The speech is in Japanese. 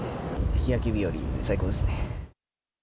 日焼け日和、最高ですね。